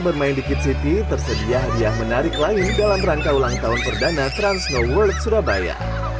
bermain di kids city tersedia hadiah menarik lain dalam rangka ulang tahun perdana transnoworld surabaya